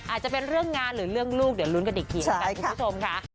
อาจจะเป็นเรื่องงานหรือเรื่องลูกเดี๋ยวลุ้นกันอีกทีแล้วกันคุณผู้ชมค่ะ